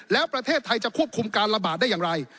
แล้วประเทศไทยจะควบคุมการระบาดได้อย่างไร